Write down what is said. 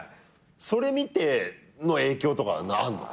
それ見ての影響とかあんの？